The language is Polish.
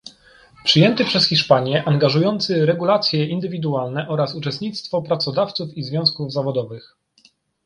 przyjęty przez Hiszpanię, angażujący regulacje indywidualne oraz uczestnictwo pracodawców i związków zawodowych